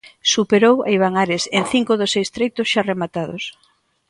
Superou a Iván Ares en cinco dos seis treitos xa rematados.